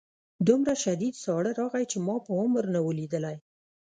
دومره شدید ساړه راغی چې ما په عمر نه و لیدلی